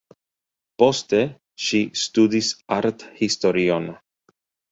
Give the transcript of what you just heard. Poste ŝi studis arthistorion.